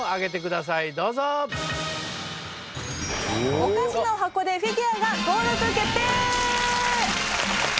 お菓子の箱でフィギュアが登録決定！